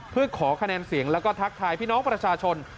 เพื่อขอคะแนนเสียงแล้วก็ทักทายพี่น้องประชาชน